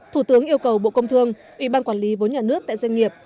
thủ tướng yêu cầu bộ công thương ủy ban quản lý vốn nhà nước tại doanh nghiệp